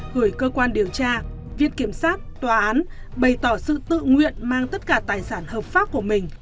gửi cơ quan điều tra viện kiểm sát tòa án bày tỏ sự tự nguyện mang tất cả tài sản hợp pháp của mình